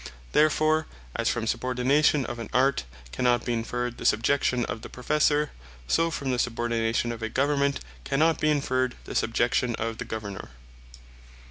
Therefore as from Subordination of an Art, cannot be inferred the Subjection of the Professor; so from the Subordination of a Government, cannot be inferred the Subjection of the Governor.